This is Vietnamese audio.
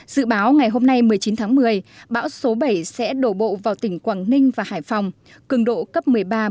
dự báo ngày hôm nay một mươi chín tháng một mươi bão số bảy sẽ đổ bộ vào tỉnh quảng ninh và hải phòng cường độ cấp một mươi ba một mươi